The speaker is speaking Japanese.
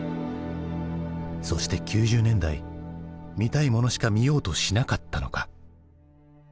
そして９０年代見たいものしか見ようとしなかったのか。